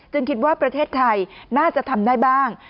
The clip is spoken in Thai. คิดว่าประเทศไทยน่าจะทำได้บ้าง